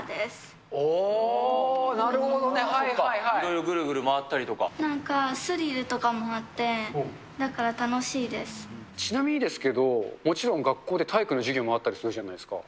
おー、なるほどね、はいはいいろいろぐるぐる回ったりとなんか、スリルとかもあって、ちなみにですけど、もちろん学校で体育の授業もあったりするじゃないですか。